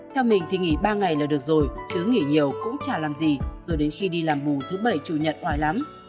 theo mình thì nghỉ ba ngày là được rồi chứ nghỉ nhiều cũng chả làm gì rồi đến khi đi làm mù thứ bảy chủ nhật hoài lắm